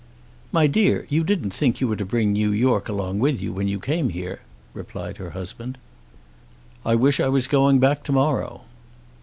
"My dear, you didn't think you were to bring New York along with you when you came here," replied her husband. "I wish I was going back to morrow."